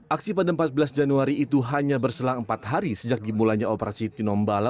aksi pada empat belas januari itu hanya berselang empat hari sejak dimulainya operasi tinombala